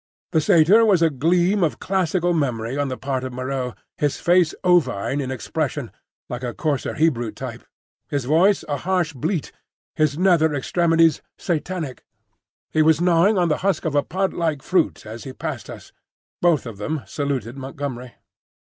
The Satyr was a gleam of classical memory on the part of Moreau,—his face ovine in expression, like the coarser Hebrew type; his voice a harsh bleat, his nether extremities Satanic. He was gnawing the husk of a pod like fruit as he passed us. Both of them saluted Montgomery.